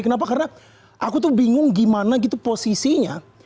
kenapa karena aku tuh bingung gimana gitu posisinya